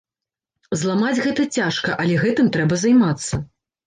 Зламаць гэта цяжка, але гэтым трэба займацца.